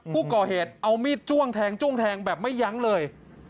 ผู้ก่อเหตุเอามีดจ้วงแทงจ้วงแทงแบบไม่ยั้งเลย